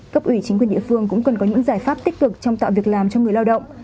cấp ủy chính quyền địa phương cũng cần có những giải pháp tích cực trong tạo việc làm cho người lao động